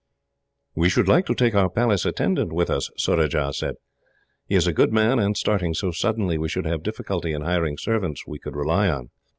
"We should like to take our Palace attendant with us," Surajah said. "He is a good man and, starting so suddenly, we should have a difficulty in hiring servants we could rely on."